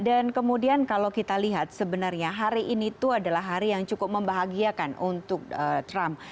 dan kemudian kalau kita lihat sebenarnya hari ini itu adalah hari yang cukup membahagiakan untuk trump